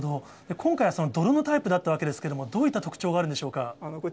今回はその泥のタイプだったわけですけれども、どういった特徴があるんでしょうか。